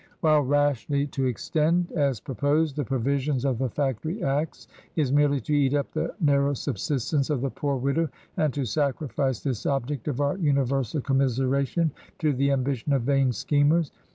While rashly to extend, as proposed, the provisions of the Factory Acts, is merely to eat up the narrow subsistence of the Poor Widow and to sacrifice this object of our universal commiseration to the ambition of vain schemers.